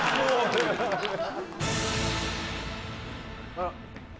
あら。